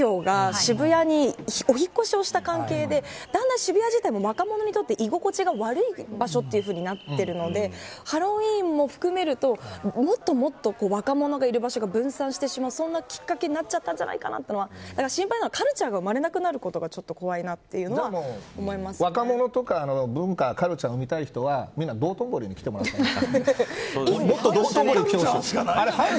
ハロウィーン以外は来てくださいですごい難しくて今、渋谷自体が最近ＩＴ企業が渋谷にお引越しをした関係でだんだん渋谷自体も若者にとって居心地が悪い場所というふうになっているのでハロウィーンも含めるともっともっと若者がいる場所が分散してしまうそんなきっかけになっちゃったんじゃないかなとは心配なのはカルチャーが生まれなくなることが怖いなでも、若者とか文化カルチャーを見たい人はみんな道頓堀に来てもらったらいい。